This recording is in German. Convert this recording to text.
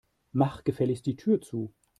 Mach gefälligst die Tür zu.